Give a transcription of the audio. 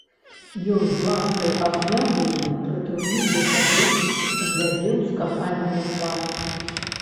Ён з ласкай абняў яе, прытуліў да сябе, глядзеў з каханнем у твар.